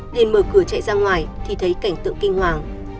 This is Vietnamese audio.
nên mở cửa chạy ra ngoài thì thấy cảnh tượng kinh hoàng